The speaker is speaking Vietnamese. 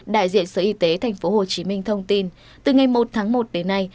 đại diện sở y tế tp hcm thông tin từ ngày một tháng một đến nay